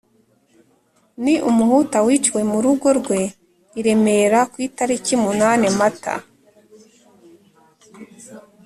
ni umuhutu wiciwe mu rugo rwe i remera ku itariki munani mata